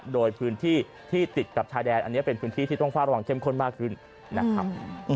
โดยพื้นที่ที่ติดกับชายแดนอันนี้เป็นพื้นที่ที่ต้องเฝ้าระวังเข้มข้นมากขึ้นนะครับ